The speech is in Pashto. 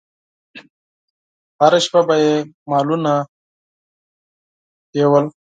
هره شپه به یې مالونه بېول.